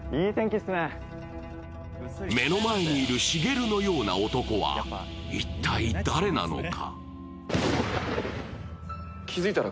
目の前にいる滋のような男は一体誰なのか。